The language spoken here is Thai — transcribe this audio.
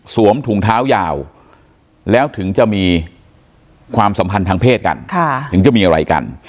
ถุงเท้ายาวแล้วถึงจะมีความสัมพันธ์ทางเพศกันถึงจะมีอะไรกัน